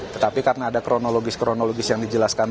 tetapi karena ada kronologi kronologis yang dijelaskan